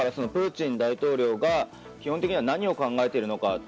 プーチン大統領が基本的には何を考えているのか。